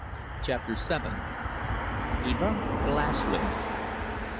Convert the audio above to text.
CHAPTER SEVEN. EVA GLASLYN.